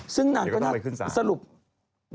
เดี๋ยวก็ต้องไปขึ้นศาลซึ่งนั่นก็สรุป